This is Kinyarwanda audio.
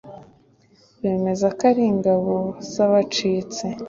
bemeza ko ari ingabo zabacitse,